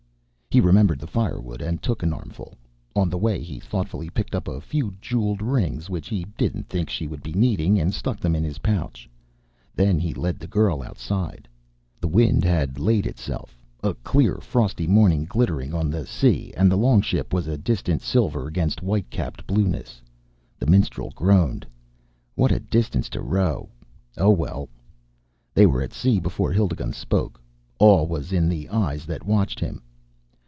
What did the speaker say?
He remembered the firewood and took an armful; on the way, he thoughtfully picked up a few jeweled rings which he didn't think she would be needing and stuck them in his pouch. Then he led the girl outside. The wind had laid itself, a clear frosty morning glittered on the sea and the longship was a distant sliver against white capped blueness. The minstrel groaned. "What a distance to row! Oh, well "They were at sea before Hildigund spoke. Awe was in the eyes that watched him.